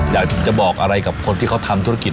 อยากจะบอกอะไรกับคนที่เขาทำธุรกิจ